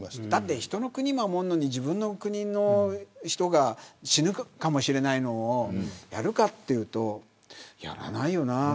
だって人の国を守るのに自分の国の人が死ぬかもしれないのをやるかというとやらないよな。